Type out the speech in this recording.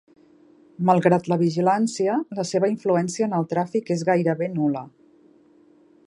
Malgrat la vigilància, la seva influència en el tràfic és gairebé nul·la.